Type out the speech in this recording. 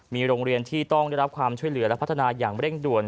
มีโรงเรียนที่ต้องได้รับความช่วยเหลือและพัฒนาอย่างเร่งด่วน